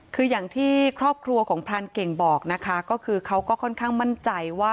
คืออย่างที่ครอบครัวของพรานเก่งบอกนะคะก็คือเขาก็ค่อนข้างมั่นใจว่า